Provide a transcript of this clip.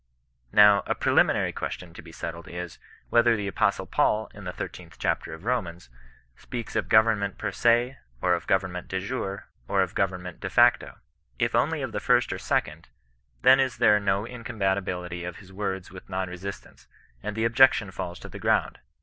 Now, a preliminary question to be settled is, whether the Apostle Paul, in the 13th chapter of Romans, speaks of government per se, or of government de jure, or of government de facto. If only of the j'^r^^ or second^ then is there no incompatibility of his words with non resist ance, and the objection falls to the ground.